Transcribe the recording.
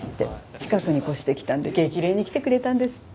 近くに越してきたんで激励に来てくれたんですって。